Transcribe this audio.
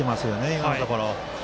今のところ。